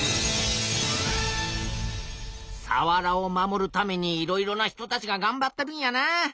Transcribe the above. さわらを守るためにいろいろな人たちががんばってるんやなあ。